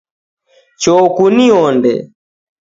Choo kunionde